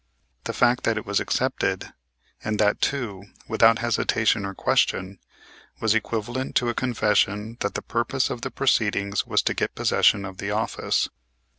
The fact that it was accepted, and that, too, without hesitation or question, was equivalent to a confession that the purpose of the proceedings was to get possession of the office.